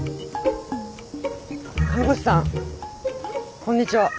看護師さんこんにちは。